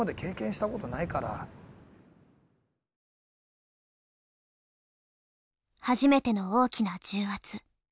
多分初めての大きな重圧。